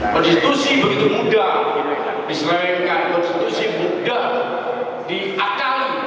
konstitusi begitu mudah diselewenkan konstitusi mudah diakali